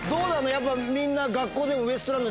やっぱみんな。